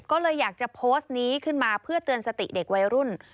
ก็เลยอยากจะโพสต์นี้ขึ้นมาเพื่อเตือนสติเด็กวัยรุ่น